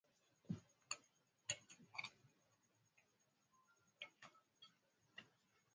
waziri mkuu alisema na waandishi "Kwa hivyo sasa anageukia kuvunja matakwa ya watu wa Ukraine jambo ambalo hawataweza kulifanya"